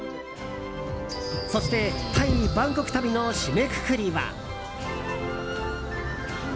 そして、タイ・バンコク旅の締めくくりは。